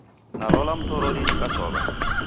Nalola mmtorori nikasowa